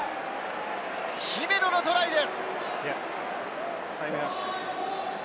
姫野のトライです。